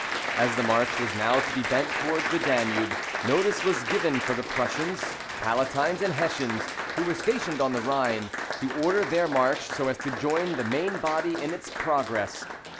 As the march was now to be bent towards the Danube, notice was given for the Prussians, Palatines, and Hessians, who were stationed on the Rhine, to order their march so as to join the main body in its progress.